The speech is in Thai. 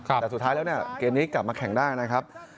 แต่สุดท้ายแล้วเนี่ยเกมนี้กลับมาแข่งได้นะครับ